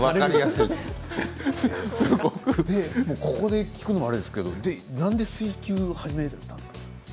ここで聞くのもあれですけどなんで水球を始めたんですか。